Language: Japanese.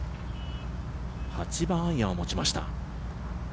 ８番アイアンを持ちました。